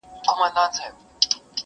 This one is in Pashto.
ځكه وايي پردى كټ تر نيمو شپو دئ!٫.